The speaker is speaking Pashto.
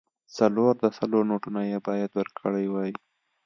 څلور د سلو نوټونه یې باید ورکړای وای.